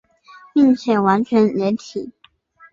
并且完全解体。